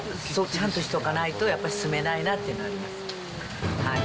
ちゃんとしとかないとやっぱ住めないなというのはあります。